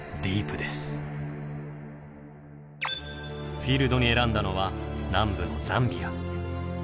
フィールドに選んだのは南部のザンビア。